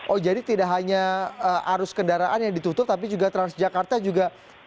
oh jadi tidak hanya arus kendaraan yang ditutup tapi juga transjakarta juga